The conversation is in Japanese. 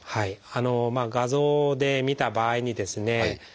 画像でみた場合にですね